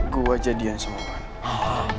gue jadian semua